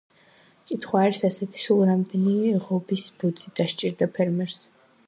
კითხვა არის ასეთი, სულ რამდენი ღობის ბოძი დასჭირდა ფერმერს.